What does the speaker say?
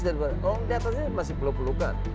kalau di atasnya masih pelukan